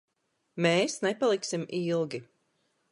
Mēs nepaliksim ilgi.